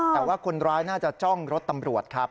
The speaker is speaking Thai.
แต่ว่าคนร้ายน่าจะจ้องรถตำรวจครับ